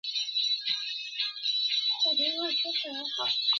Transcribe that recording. هم به ښادۍ وي هم به لوی لوی خیراتونه کېدل!